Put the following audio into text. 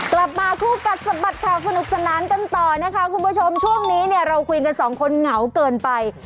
กลับมาคู่กัดสะบัดข่าวสนุกสนานกันต่อนะคะคุณผู้ชมช่วงนี้เนี่ยเราคุยกันสองคนเหงาเกินไป